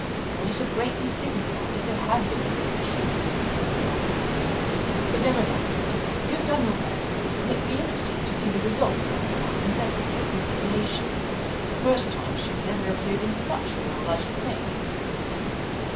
"Would it have greatly signified if there had been a breach?" inquired Darcy. "But never mind, my dear, you have done your best, and it will be interesting to see the result of Aunt Catherine's efforts at conciliation the first time she has ever appeared in such a role, I should think."